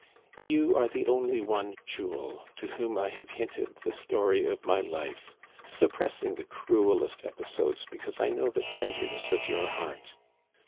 You are the only one, Jules, to whom I have hinted the story of my life, suppressing the cruelest episodes because I know the. tenderness of your heart.